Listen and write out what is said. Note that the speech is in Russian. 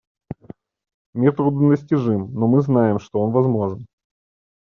Мир труднодостижим, но мы знаем, что он возможен.